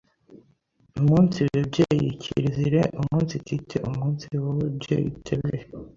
Umunsi bebyeyi, kirezire: Umunsitite umunsi bo webyeye utebehe